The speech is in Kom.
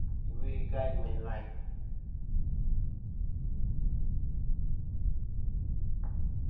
Iwo-i gayn meyn layn.